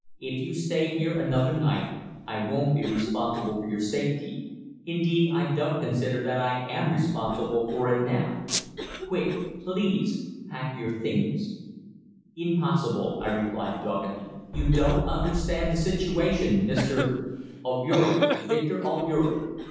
"If you stay here another night I won't be responsible for your safety indeed, I don't consider that I am responsible for it now. Quick, please, pack your things." "Impossible," I replied doggedly. "You don't understand the situation, Mr. " "Albeury Victor Albeury."